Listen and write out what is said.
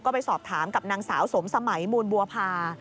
ก็ไปสอบถามกับนางสาวสมสมัยมูลบัวพา